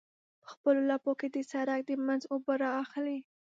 په خپلو لپو کې د سرک د منځ اوبه رااخلي.